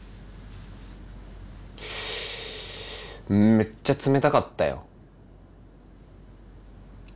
めっちゃ冷たかったよ。